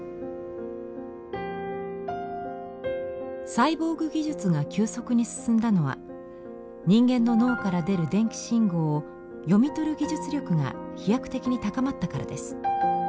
サイボーグ技術が急速に進んだのは人間の脳から出る電気信号を読み取る技術力が飛躍的に高まったからです。